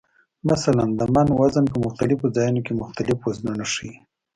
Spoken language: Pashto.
مثلا د "من" وزن په مختلفو ځایونو کې مختلف وزنونه ښیي.